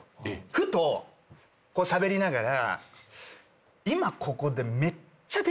ふとこうしゃべりながら今。